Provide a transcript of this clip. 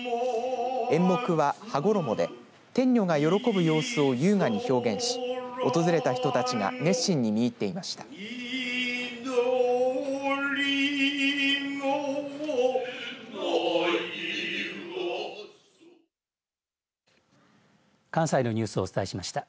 演目は羽衣で天女が喜ぶ様子を優雅に表現し訪れた人たちが熱心に見入っていました。